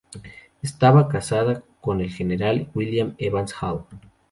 Estaba casada con el general William Evans Hall.